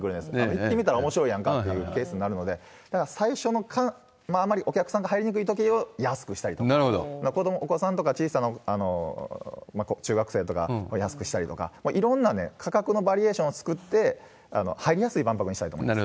行ってみたらおもしろいやんかってケースになるので、だから、最初の、まあ、あんまりお客さんが入りにくいときは安くしたりとか、お子さんとか、小さな、中学生とか安くしたりとか、いろんな価格のバリエーションを作って、入りやすい万博にしたいと思います。